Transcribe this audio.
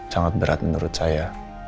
sangat berat menurut saya